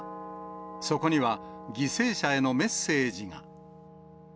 そこには、犠牲者へのメッセージが。